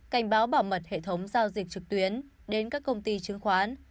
cảnh báo bảo mật hệ thống giao dịch trực tuyến đến các công ty chứng khoán